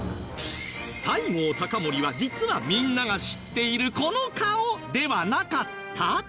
西郷隆盛は実はみんなが知っているこの顔ではなかった！？